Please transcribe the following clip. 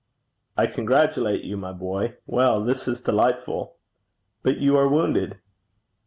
'I congratulate you, my boy. Well, this is delightful! But you are wounded.'